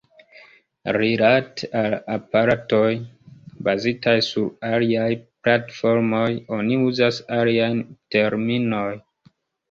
Rilate al aparatoj, bazitaj sur aliaj platformoj, oni uzas aliajn terminojn.